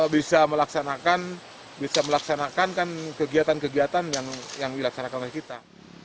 bisa melaksanakan kegiatan kegiatan yang dilaksanakan oleh kita